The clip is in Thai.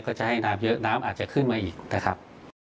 ก็จะให้น้ำเยอะน้ำอาจจะขึ้นมาอีกนะครับ